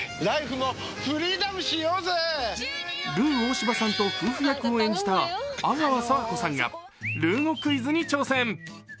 ルー大柴さんと夫婦役を演じた阿川佐和子さんがルー語クイズに挑戦。